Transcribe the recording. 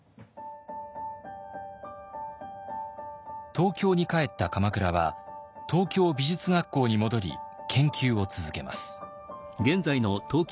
東京に帰った鎌倉は東京美術学校に戻り研究を続けます。